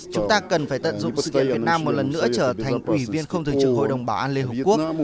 chúng ta cần phải tận dụng sự kiện việt nam một lần nữa trở thành quỷ viên không thường trưởng hội đồng bảo an liên hợp quốc